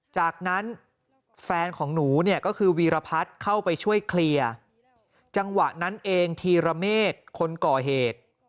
จากนั้นแฟนของหนูเนี่ยก็คือวีรพัฒน์เข้าไปช่วยเคลียร์จังหวะนั้นเองธีรเมฆคนก่อเหตุ